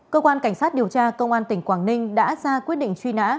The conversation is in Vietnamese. cơ quan cảnh sát điều tra công an tỉnh quảng ninh đã ra quyết định truy nã